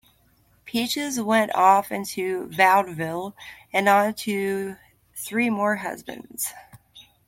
Peaches went off into vaudeville and on to three more husbands.